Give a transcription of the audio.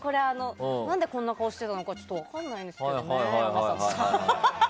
何でこんな顔してたのかちょっと分からないんですけどね。